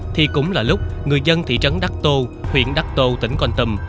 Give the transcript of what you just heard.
thì cũng là lúc người dân thị trấn đắc tô huyện đắc tô tỉnh con tầm